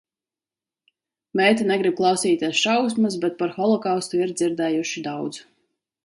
Meita negrib klausīties šausmas, bet par holokaustu ir dzirdējuši daudz.